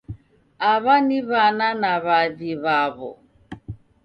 Aw'a ni w'ana na w'avi w'aw'o